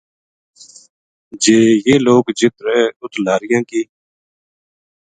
جے یہ لوک جِت رہ اُت لاریاں کی